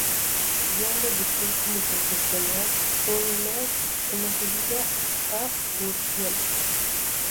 Ion debutó como profesional en la Subida a Urkiola.